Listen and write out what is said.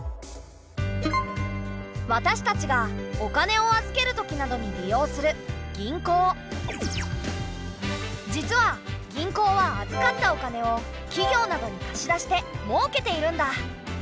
私たちがお金を預ける時などに利用する実は銀行は預かったお金を企業などに貸し出して儲けているんだ。